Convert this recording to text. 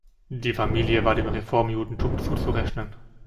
Die Familie war dem Reformjudentum zuzurechnen.